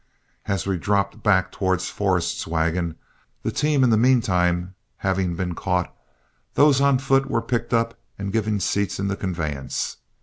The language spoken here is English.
As we dropped back towards Forrest's wagon, the team in the mean time having been caught, those on foot were picked up and given seats in the conveyance.